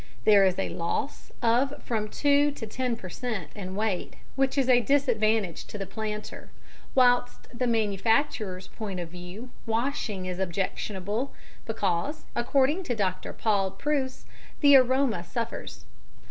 There is a loss of from 2 to 10 per cent. in weight, which is a disadvantage to the planter, whilst from the manufacturer's point of view, washing is objectionable because, according to Dr. Paul Preuss, the aroma suffers.